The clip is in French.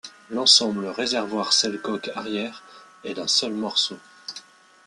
L'ensemble réservoir-selle-coque arrière est d'un seul morceau.